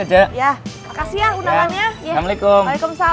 makasih ya undangannya